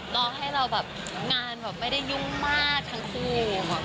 แต่เราแบบนานไม่ได้ยุ้งมากทั้งคู่